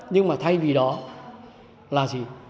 nhưng mà thay vì đó là gì